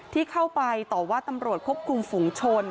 ที่เข้าไปต่อว่าตำรวจควบคุมฝุงชน